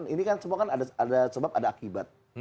ini kan semua kan ada sebab ada akibat